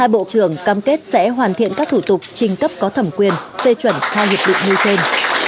bộ trưởng cam kết sẽ hoàn thiện các thủ tục trình cấp có thẩm quyền tê chuẩn theo hiệp định mưu trên